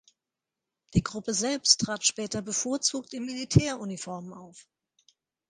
Die Gruppe selbst trat später bevorzugt in Militäruniformen auf.